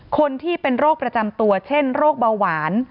คนที่เป็นโรคประจำตัวเช่นโรคเบาหวาน